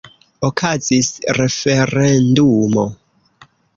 Okazis referendumo.